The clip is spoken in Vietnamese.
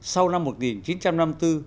sau năm một nghìn chín trăm năm mươi bốn